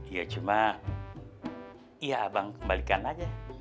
ya cuman ya bang kembalikan aja